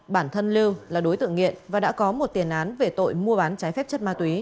bản thân lưu là đối tượng nghiện và đã có một tiền án về tội mua bán trái phép chất ma túy